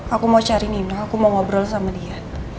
aku mau cari nina aku mau ngobrol sama dia